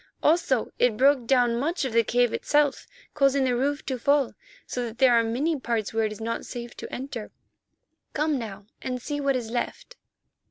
Also, it broke down much of the cave itself, causing the roof to fall, so that there are many parts where it is not safe to enter. Come now and see what is left."